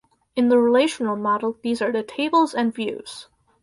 In the relational model these are the tables and views.